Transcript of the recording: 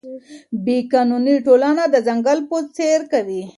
بې قانوني ټولنه د ځنګل په څېر کوي.